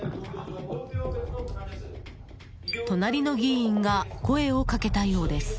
隣の議員が声をかけたようです。